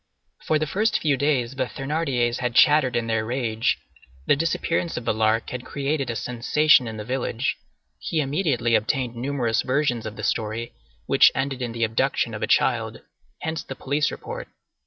For the first few days the Thénardiers had chattered in their rage. The disappearance of the Lark had created a sensation in the village. He immediately obtained numerous versions of the story, which ended in the abduction of a child. Hence the police report.